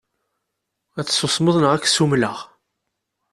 Ad tsusmeḍ neɣ ad k-ssumleɣ.